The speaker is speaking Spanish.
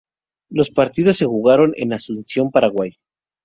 Los partidos se jugaron en Asunción, Paraguay.